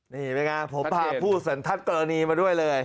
นี่ไหมครับผมพาผู้สนทัศน์ตัวนี้มาด้วยเลย